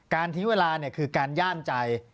การทิ้งเวลาเนี่ยคือการย่านใจ